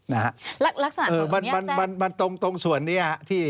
ลักษณะเหอะมีอย่างแซ่งมันตรงส่วนนี้